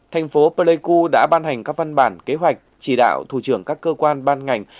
thành phố pleiku đã ban hành các văn bản kế hoạch chỉ đạo thủ trưởng các cơ quan ban ngành